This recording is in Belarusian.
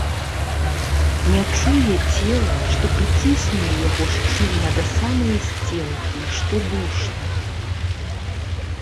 Не чуе цела, што прыціснулі яго шчыльна да самае сценкі і што душна.